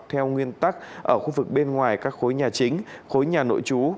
theo nguyên tắc ở khu vực bên ngoài các khối nhà chính khối nhà nội trú